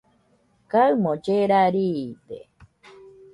kaɨmo llera riide